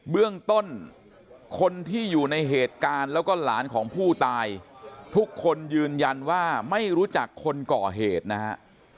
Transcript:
เบื้องต้นคนที่อยู่ในเหตุการณ์แล้วก็หลานของผู้ตายทุกคนยืนยันว่าไม่รู้จักคนก่อเหตุนะฮะ